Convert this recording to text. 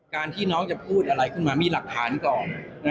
การที่น้องจะพูดอะไรขึ้นมามีหลักฐานก่อน